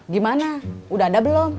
gimana udah ada belum